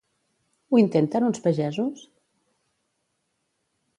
Ho intenten uns pagesos?